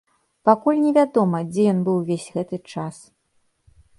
Пакуль невядома, дзе ён быў увесь гэты час.